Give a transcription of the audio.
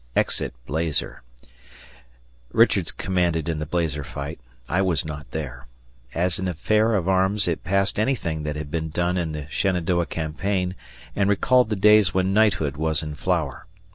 Exit Blazer! Richards commanded in the Blazer fight. I was not there. As an affair of arms it passed anything that had been done in the Shenandoah campaign and recalled the days when Knighthood was in flower.